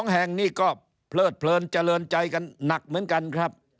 ๒แห่งนี้ก็เพลิดเพลินเจริญใจกันหนักเหมือนกันครับ